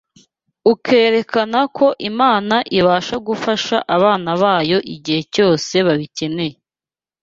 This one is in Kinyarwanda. ukerekana ko Imana ibasha gufasha abana bayo igihe cyose babikeneye